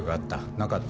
なかった？